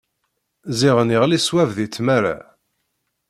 Ziɣen iɣelli swab deg tmara.